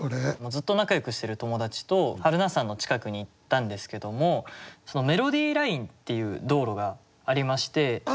ずっと仲よくしてる友達と榛名山の近くに行ったんですけどもメロディーラインっていう道路がありまして。